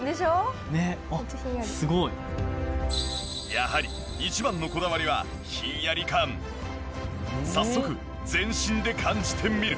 やはり一番のこだわりは早速全身で感じてみる。